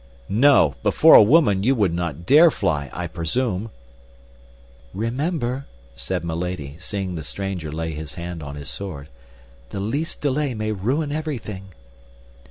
"No; before a woman you would dare not fly, I presume?" "Remember," said Milady, seeing the stranger lay his hand on his sword, "the least delay may ruin everything."